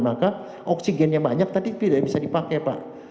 maka oksigennya banyak tadi tidak bisa dipakai pak